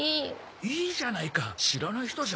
いいじゃないか知らない人じゃないし。